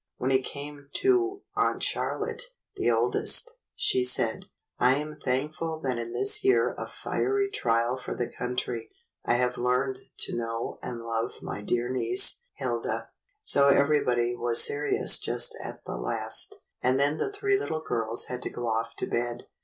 When it came to Aunt Charlotte, the oldest, she said, ^'I am thankful that in this year of fiery trial for the country, I have learned to know and love my dear niece, Hilda." So everybody was serious just at the last; and then the three little girls had to go off to bed.